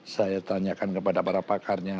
saya tanyakan kepada para pakarnya